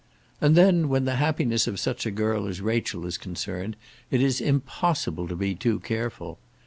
"And then, when the happiness of such a girl as Rachel is concerned, it is impossible to be too careful.